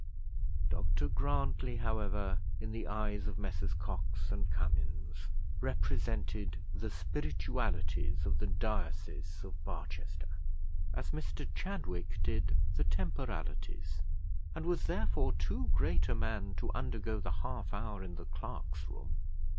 Dr Grantly, however, in the eyes of Messrs Cox and Cummins, represented the spiritualities of the diocese of Barchester, as Mr Chadwick did the temporalities, and was, therefore, too great a man to undergo the half hour in the clerk's room.